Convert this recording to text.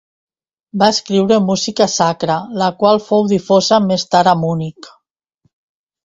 Va escriure música sacra la qual fou difosa més tard a Munic.